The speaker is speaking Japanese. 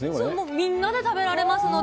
みんなで食べられますので。